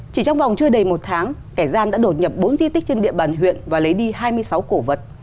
chỉ trong vòng chưa đầy một tháng kẻ gian đã đột nhập bốn di tích trên địa bàn huyện và lấy đi hai mươi sáu cổ vật